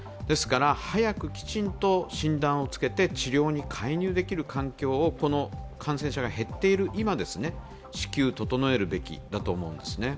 早くきちんと診断をつけて治療に介入できる環境を感染者が減っている今、至急整えるべきだと思うんですね。